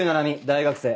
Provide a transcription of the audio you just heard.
大学生。